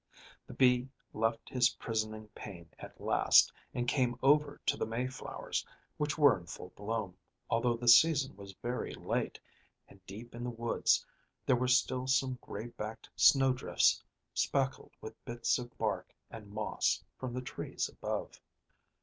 The bee left his prisoning pane at last, and came over to the Mayflowers, which were in full bloom, although the season was very late, and deep in the woods there were still some graybacked snowdrifts, speckled with bits of bark and moss from the trees above.